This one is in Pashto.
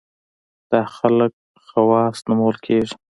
دا خلک خواص نومول کېږي.